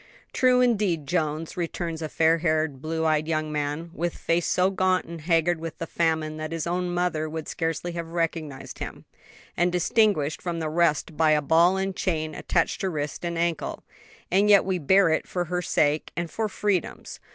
"True indeed, Jones," returns a fair haired, blue eyed young man, with face so gaunt and haggard with famine that his own mother would scarcely have recognized him, and distinguished from the rest by a ball and chain attached to wrist and ankle; "and yet we bear it for her sake and for Freedom's.